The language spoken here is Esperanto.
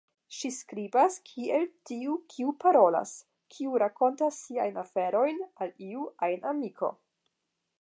Ŝi skribas kiel tiu kiu parolas, kiu rakontas siajn aferojn al iu ajn amiko.